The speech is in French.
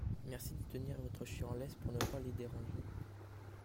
Merci de tenir votre chien en laisse pour ne pas les déranger.